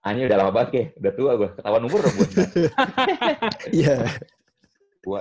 ini udah lama banget ya udah tua gue ketawa numur dong gue